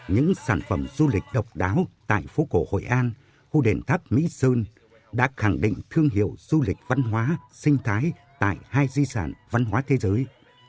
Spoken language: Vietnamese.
những sản phẩm du lịch độc đáo tại phố cổ hội an khu đền tháp mỹ sơn đã khẳng định thương hiệu du lịch văn hóa sinh thái tại hai di sản văn hóa thế giới